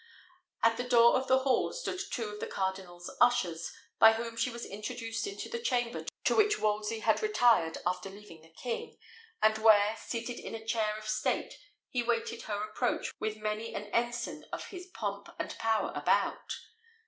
At the door of the hall stood two of the cardinal's ushers, by whom she was introduced into the chamber to which Wolsey had retired after leaving the king, and where, seated in a chair of state, he waited her approach with many an ensign of his pomp and power about.